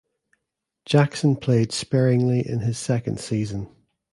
Jackson played sparingly in his second season.